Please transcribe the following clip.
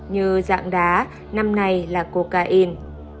như dạng đá năm nay là coca in